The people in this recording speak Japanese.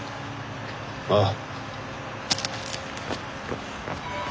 ああ。